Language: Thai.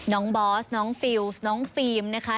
น้องบอสน้องฟิลสน้องฟีมนะคะ